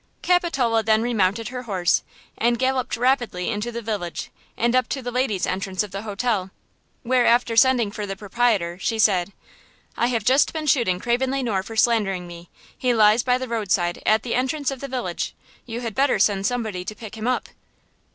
Capitola then remounted her horse, and galloped rapidly into the village and up to the "ladies' entrance" of the hotel, where, after sending for the proprietor she said: "I have just been shooting Craven Le Noir for slandering me; he lies by the roadside at the entrance of the village; you had better send somebody to pick him up."